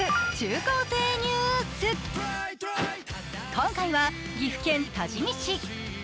今回は岐阜県多治見市。